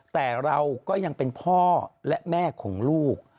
แต่เราก็ยังเป็นพ่อและแม่ของลูก